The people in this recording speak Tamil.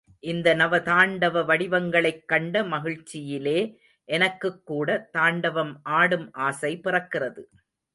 இந்த நவதாண்டவ வடிவங்களைக் கண்ட மகிழ்ச்சியிலே எனக்குக் கூட தாண்டவம் ஆடும் ஆசை பிறக்கிறது.